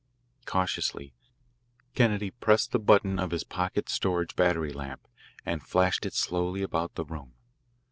Cautiously Kennedy pressed the button of his pocket storage battery lamp and flashed it slowly about the room.